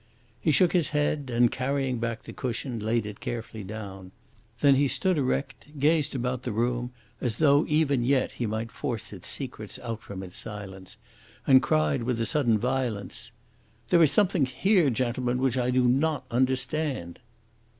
He shook his head, and, carrying back the cushion, laid it carefully down. Then he stood erect, gazed about the room as though even yet he might force its secrets out from its silence, and cried, with a sudden violence: "There is something here, gentlemen, which I do not understand."